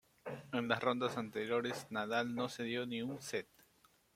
En las rondas anteriores Nadal no cedió ni un set.